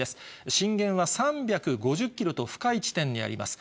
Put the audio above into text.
震源は３５０キロと深い地点にあります。